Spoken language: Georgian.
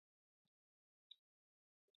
მათგან ბოლო ორი ამოშენებულია.